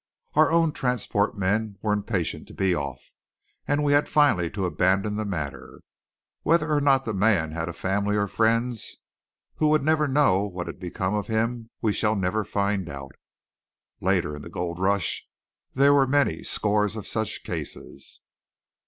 Our own transport men were impatient to be off; and we had finally to abandon the matter. Whether or not the man had a family or friends who would never know what had become of him, we shall never find out. Later in the gold rush there were many scores of such cases.